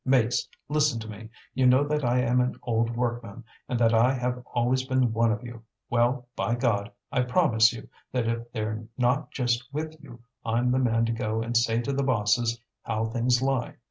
"Mates, listen to me. You know that I am an old workman, and that I have always been one of you. Well, by God! I promise you, that if they're not just with you, I'm the man to go and say to the bosses how things lie.